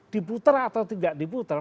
diputar atau tidak diputar